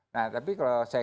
nah tapi kalau saya